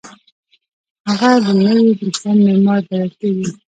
هغه د نوي هند معمار بلل کیږي.